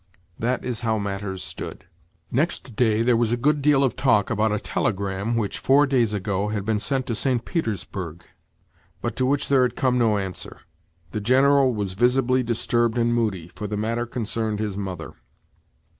That is how matters stood. Next day there was a good deal of talk about a telegram which, four days ago, had been sent to St. Petersburg, but to which there had come no answer. The General was visibly disturbed and moody, for the matter concerned his mother.